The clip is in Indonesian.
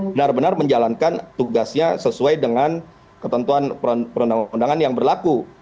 benar benar menjalankan tugasnya sesuai dengan ketentuan perundang undangan yang berlaku